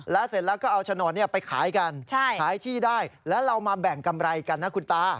แล้วเสร็จแล้วก็เอาโฉนดไปขายกันขายที่ได้แล้วเรามาแบ่งกำไรกันนะคุณตา